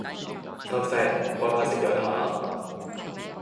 收聲，乖乖食藥啊